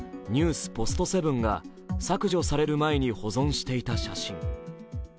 ポストセブンが削除される前に保存していた写真。